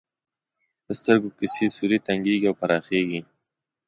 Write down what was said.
د سترګو کسي سوری تنګیږي او پراخیږي.